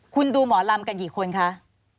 คุณดูหมอลำกันกี่คนคะ